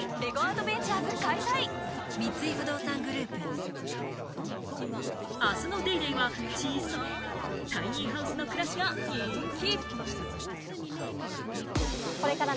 ニトリ明日の『ＤａｙＤａｙ．』は小さいタイニーハウスの暮らしが人気。